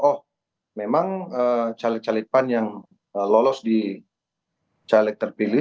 oh memang caleg caleg pan yang lolos di caleg terpilih